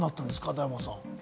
大門さん。